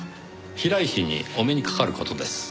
平井氏にお目にかかる事です。